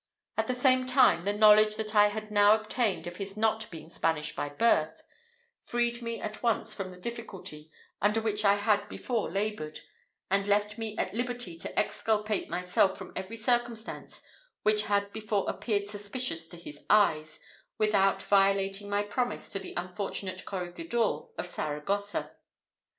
At the same time, the knowledge that I had now obtained of his not being Spanish by birth, freed me at once from the difficulty under which I had before laboured, and left me at liberty to exculpate myself from every circumstance which had before appeared suspicious in his eyes, without violating my promise to the unfortunate corregidor of Saragossa.